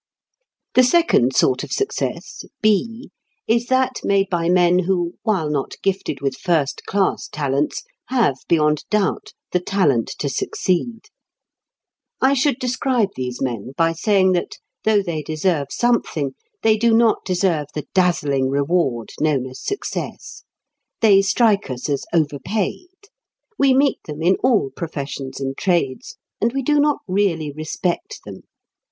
The second sort of success, B, is that made by men who, while not gifted with first class talents, have, beyond doubt, the talent to succeed. I should describe these men by saying that, though they deserve something, they do not deserve the dazzling reward known as success. They strike us as overpaid. We meet them in all professions and trades, and we do not really respect them.